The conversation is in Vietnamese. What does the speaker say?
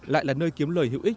lại là nơi kiếm lợi hữu ích